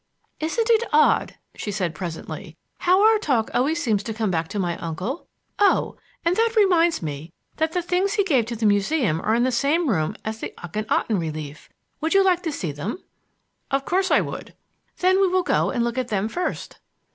"Isn't it odd," she said presently, "how our talk always seems to come back to my uncle? Oh, and that reminds me that the things he gave to the Museum are in the same room as the Ahkhenaten relief. Would you like to see them?" "Of course I should." "Then we will go and look at them first."